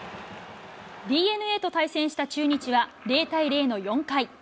ＤｅＮＡと対戦した中日は、０対０の４回。